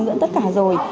đã tất cả rồi